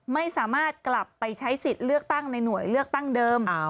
ไม่สามารถกลับไปใช้สิทธิ์เลือกตั้งในหน่วยเลือกตั้งเดิม